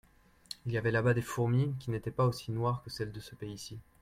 Il y avait là-bas des fourmis qui n'étaient pas aussi noires que celles de ce pays-ci.